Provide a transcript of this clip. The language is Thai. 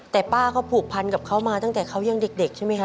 แต่ป้าเขาผูกพันกับเขามาตั้งแต่เขายังเด็กใช่ไหมคะ